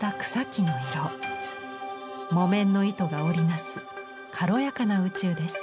木綿の糸が織り成す軽やかな宇宙です。